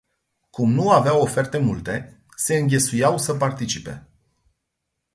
Cum nu aveau oferte multe, se înghesuiau să participe.